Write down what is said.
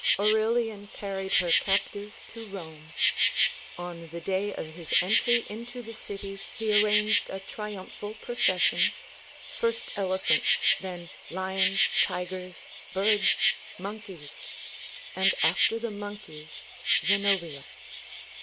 Aurelian carried her captive to Rome. On the day of his entry into the city he arranged a triumphal procession, — first elephants, then lions, tigers, birds, monkeys, — and after the monkeys Zenobia.